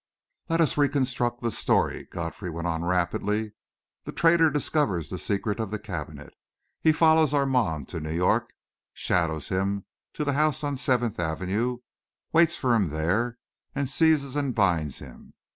"Let us reconstruct the story," Godfrey went on rapidly. "The traitor discovers the secret of the cabinet; he follows Armand to New York, shadows him to the house on Seventh Avenue, waits for him there, and seizes and binds him.